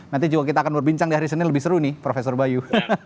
nanti juga kita akan berbincang di hari senin lebih seru nih prof bayu